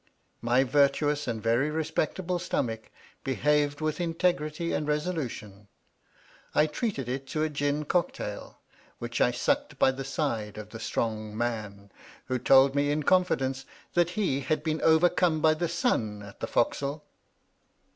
My virtuous and very respectable stomach behaved with integrity and resolution. I treated it to a gin cocktail, which I sucked by the side of the strong man, who told me in confidence that he had been overcome by the sun at the fo*c*sle.